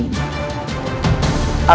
aku ingin segera menangani rakyatmu